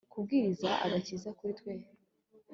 kubwiriza agakiza kuri twe